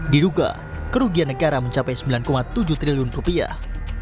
diduga kerugian negara mencapai sembilan tujuh triliun rupiah